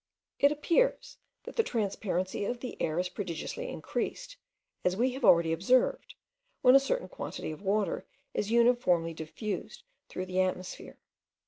It appears that the transparency of the air is prodigiously increased, as we have already observed, when a certain quantity of water is uniformly diffused through the atmosphere.